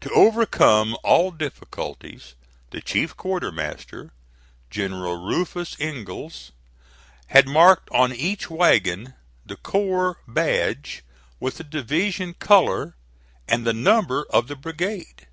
To overcome all difficulties, the chief quartermaster, General Rufus Ingalls, had marked on each wagon the corps badge with the division color and the number of the brigade.